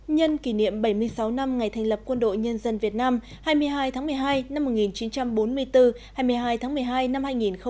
nhân kỷ niệm bảy mươi sáu năm ngày thành lập quân đội nhân dân việt nam hai mươi hai tháng một mươi hai năm một nghìn chín trăm bốn mươi bốn hai mươi hai tháng một mươi hai năm hai nghìn hai mươi